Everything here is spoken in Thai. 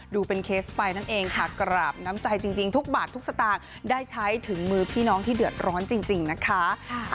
ดูเป็นเคสไปนั่นเองค่ะกราบน้ำใจจริงทุกบาททุกสตางค์ได้ใช้ถึงมือพี่น้องที่เดือดร้อนจริงนะคะ